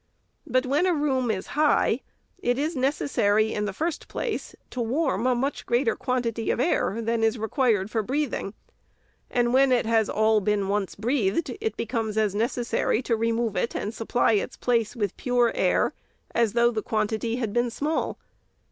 But when the room is high, it is necessary, in the first place, to warm a much greater quantity of air than is required for breathing, and when it has all been once breathed, it becomes as necessary to remove it and supply its place with pure air as though the quantity had been small.